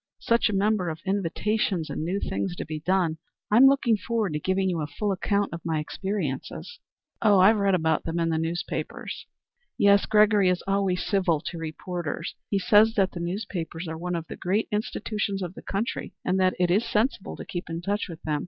Such a number of invitations, and new things to be done. I'm looking forward to giving you a full account of my experiences." "I've read about them in the newspapers." "Oh, yes. Gregory is always civil to reporters. He says that the newspapers are one of the great institutions of the country, and that it is sensible to keep in touch with them.